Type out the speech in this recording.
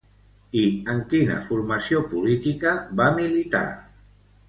I en quina formació política va militar?